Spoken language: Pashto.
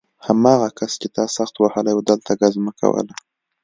هماغه کس چې تا سخت وهلی و دلته ګزمه کوله